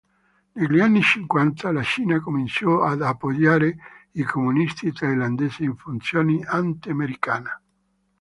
Negli anni cinquanta, la Cina cominciò ad appoggiare i comunisti thailandesi in funzione anti-americana.